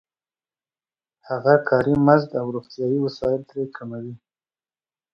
هغه کاري مزد او روغتیايي وسایل ترې کموي